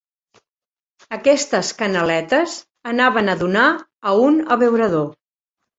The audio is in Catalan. Aquestes canaletes anaven a donar a un abeurador.